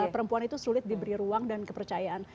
perempuan itu sulit diberi ruang dan kepercayaan